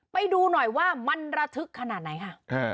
ไปดูหน่อยว่ามันระทึกขนาดไหนค่ะ